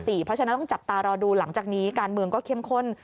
เพราะฉะนั้นต้องจับตารอดูหลังจากนี้การเมืองก็เข้มข้น